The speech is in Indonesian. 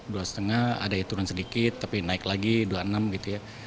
dua setengah ada ya turun sedikit tapi naik lagi dua enam gitu ya